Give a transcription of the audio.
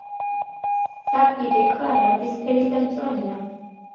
საპირე ქვა ვარდისფერი და მწვანეა.